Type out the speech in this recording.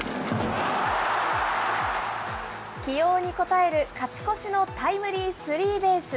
起用に応える勝ち越しのタイムリースリーベース。